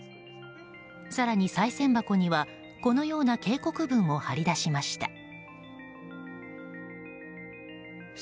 更に、さい銭箱にはこのような警告文を貼り出しました。